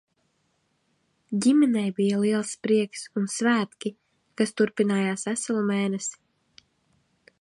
Ģimenei bija liels prieks un svētki, kas turpinājās veselu mēnesi.